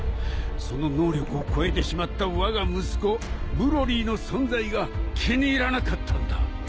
その能力を超えてしまったわが息子ブロリーの存在が気に入らなかったんだ。